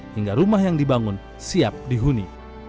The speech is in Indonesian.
hingga rumah yang dibangun siap dihuni